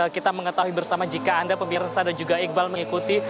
kita mengetahui bersama jika anda pemirsa dan juga iqbal mengikuti